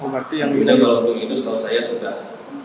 maksudnya kalau untuk industri kalau saya sudah